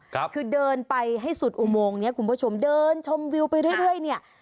คือเดินไปให้สุดอุโมงคุณผู้ชมเดินชมวิวไปเรื่อย